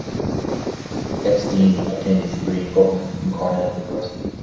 Epstein obtained his degree in Government from Cornell University.